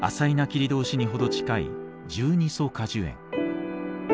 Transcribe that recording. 切通に程近い十二所果樹園。